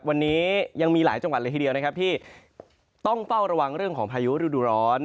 วันนี้ยังมีหลายจังหวัดเลยทีเดียวนะครับที่ต้องเฝ้าระวังเรื่องของพายุฤดูร้อน